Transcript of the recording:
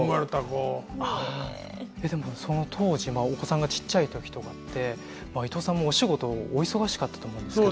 えっでもその当時お子さんがちっちゃい時とかって伊東さんもお仕事お忙しかったと思うんですけど。